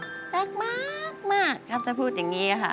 รักมากครับถ้าพูดอย่างนี้ค่ะ